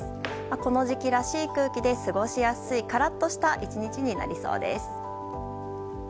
この時期らしい空気で過ごしやすいカラッとした１日になりそうです。